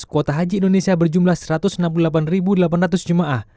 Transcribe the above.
kuota haji indonesia berjumlah satu ratus enam puluh delapan delapan ratus jemaah